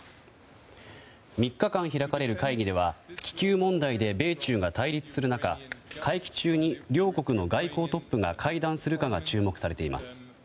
３日間開かれる会議では気球問題で米中が対立する中会期中に両国の外交トップが会談するかが注目されています。